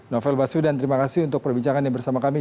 novel baswedan terima kasih untuk perbincangan yang bersama kami